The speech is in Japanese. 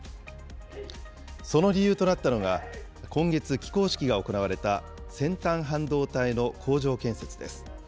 その理由となったのが、今月、起工式が行われた先端半導体の工場建設です。